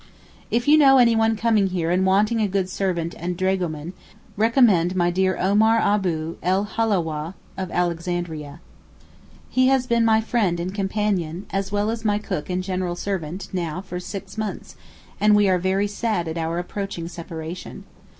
If you know anyone coming here and wanting a good servant and dragoman, recommend my dear Omar Abou el Haláweh of Alexandria. He has been my friend and companion, as well as my cook and general servant, now for six months, and we are very sad at our approaching separation.